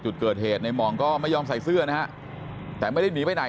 จุดเกิดเหตุในหม่องก็ไม่ยอมใส่เสื้อนะฮะแต่ไม่ได้หนีไปไหน